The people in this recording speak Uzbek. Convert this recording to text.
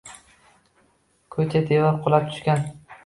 Ko‘cha devor qulab tushgan